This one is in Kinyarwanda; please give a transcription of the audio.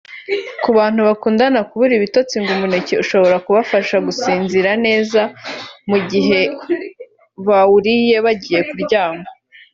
Ku bantu bakunda ku bura ibitotsi ngo umuneke ushobora kubafasha gusinzira neza mu gihe bawuriye bagiye kuryama